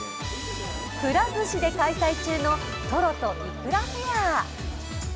くら寿司で開催中のとろといくらフェア。